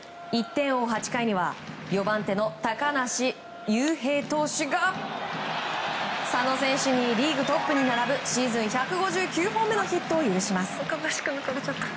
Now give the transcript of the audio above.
１点を追う８回には４番手の高梨雄平投手が佐野選手にリーグトップに並ぶシーズン１５９本目のヒットを許します。